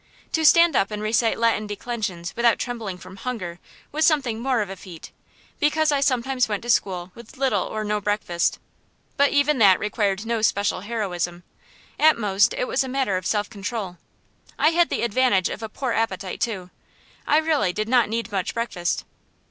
To stand up and recite Latin declensions without trembling from hunger was something more of a feat, because I sometimes went to school with little or no breakfast; but even that required no special heroism, at most it was a matter of self control. I had the advantage of a poor appetite, too; I really did not need much breakfast.